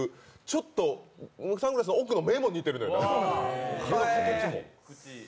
ちょっとサングラスの奥の目も似てるのよ、ここの。